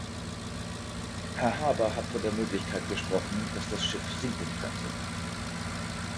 Herr Harbour hat von der Möglichkeit gesprochen, dass das Schiff sinken könnte.